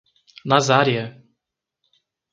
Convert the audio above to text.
Nazária